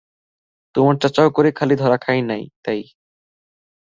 তোমার চাচাও করে, খালি ধরা খায় নায়, তাই।